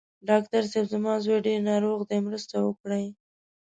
ډاکټر صېب! زما زوی ډېر ناروغ دی، مرسته وکړئ.